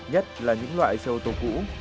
nhất là những loại xe ô tô cũ